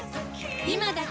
今だけ！